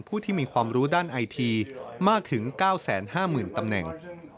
ผู้ที่มีความรู้ด้านไอทีมากถึง๙๕๐๐๐ตำแหน่ง